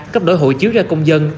cấp đổi hộ chiếu ra công dân